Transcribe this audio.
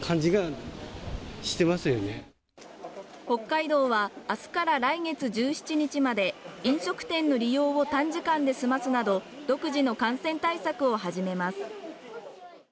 北海道はあすから来月１７日まで飲食店の利用を短時間で済ますなど独自の感染対策を始めます